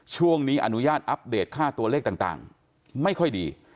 อนุญาตอัปเดตค่าตัวเลขต่างไม่ค่อยดี